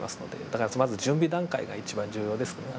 だから準備段階が一番重要ですね。